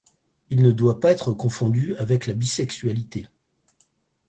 Il ne doit pas être confondu avec la bisexualité.